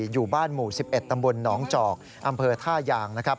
อยู่บ้านหมู่๑๑ตำบวนน้องจอกอำเภอท่ายาง